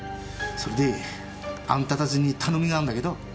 それであんた達に頼みがあるんだけど。